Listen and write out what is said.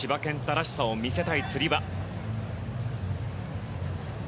らしさを見せたいつり輪。